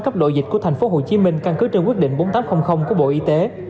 cấp độ dịch của tp hcm căn cứ trên quyết định bốn nghìn tám trăm linh của bộ y tế